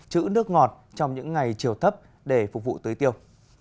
chữ nước ngọt trong những ngày chiều thấp để phục vụ tưới tiêu